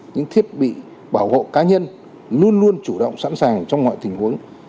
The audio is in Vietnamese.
những thiết bị bảo hộ cá nhân luôn luôn chủ động sẵn sàng trong mọi tình huống